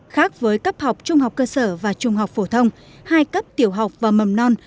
khác với cấp học trung học cơ sở và trung học phổ thông hai cấp tiểu học và mầm non